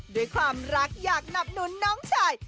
ด้วยความรักอยากหนับหนุนน้องชาย